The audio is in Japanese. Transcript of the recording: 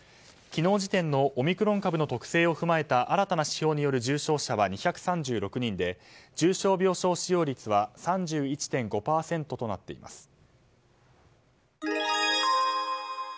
昨日時点のオミクロン株の特性を踏まえた新たな指標による重症者は２３６人で重症病床使用率は３１．５％となっています。